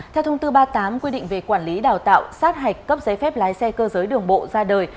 theo thông tư ba mươi tám quy định về quản lý đào tạo sát hạch cấp giấy phép lái xe cơ giới đường bộ ra đời